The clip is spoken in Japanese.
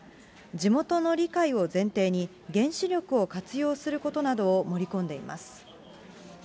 地元の理解を前提に、原子力を活用することなどを盛り込んでいます。